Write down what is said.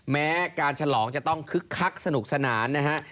แม้การฉลองจะต้องคึกคักสนุกสนานนะฮะ